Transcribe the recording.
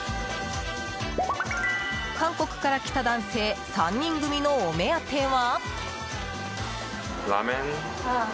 韓国から来た男性３人組のお目当ては？